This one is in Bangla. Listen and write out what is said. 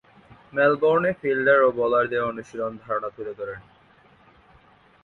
মেলবোর্নে ফিল্ডার ও বোলারদের অনুশীলন ধারণা তুলে ধরেন।